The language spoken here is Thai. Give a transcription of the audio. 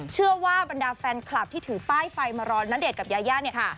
เชื่อว่าบรรดาแฟนคลับที่ถือป้ายไฟมารอณเดชน์กับยายาเนี่ย